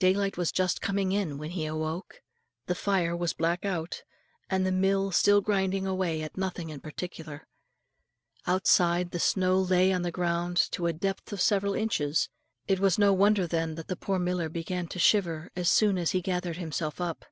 Daylight was just coming in when he awoke. The fire was black out, and the mill still grinding away at nothing in particular. Outside, the snow lay on the ground to a depth of several inches; it was no wonder then that the poor miller began to shiver, as soon as he gathered himself up.